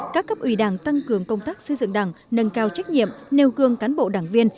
các cấp ủy đảng tăng cường công tác xây dựng đảng nâng cao trách nhiệm nêu gương cán bộ đảng viên